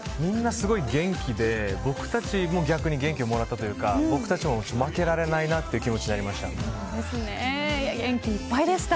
みんなすごい元気で僕たちも逆に元気をもらったというか僕たちも負けられないなという気持ちになりました。